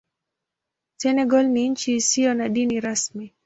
Senegal ni nchi isiyo na dini rasmi.